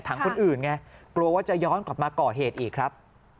คนอื่นไงกลัวว่าจะย้อนกลับมาก่อเหตุอีกครับ